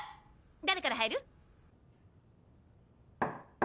誰から入る？